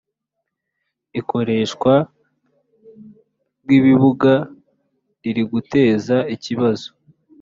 Ikoreshwa ry ‘ibibuga ririguteza ikibazo.